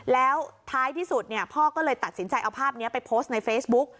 แล้วท้ายที่สุดพ่อก็เลยตัดสินใจเอาภาพนี้ไปโพสต์ในเฟซบุ๊ก